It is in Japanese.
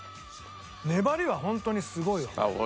粘りはホントにすごいわ。